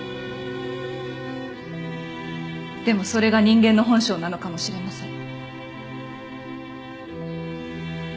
でもそれが人間の本性なのかもしれません。